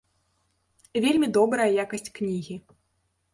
Вельмі добрая якасць кнігі.